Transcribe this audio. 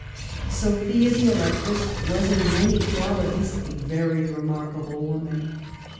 Sophia the Electress was in many qualities a very remarkable woman.